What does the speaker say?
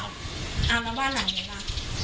ไม่มีอ่ะอ่าแล้วบ้านหลังนี้แปลว่า